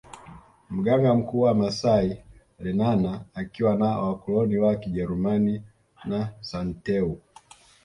Mganga mkuu wa maasai Lenana akiwa na wakoloni wa kijerumani na Santeu